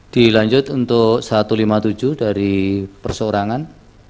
dilanjut untuk satu ratus lima puluh tujuh dari persorangan